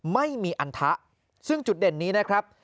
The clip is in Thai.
ไม่มีอันทะซึ่งจุดเด่นนี้นะครับ